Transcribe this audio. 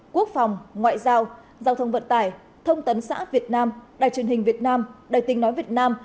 quốc phòng ngoại giao giao thông vận tải thông tấn xã việt nam đài truyền hình việt nam đài tình nói việt nam